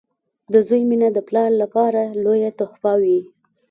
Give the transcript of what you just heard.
• د زوی مینه د پلار لپاره لویه تحفه وي.